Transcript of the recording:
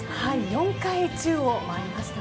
４回、宙を舞いました。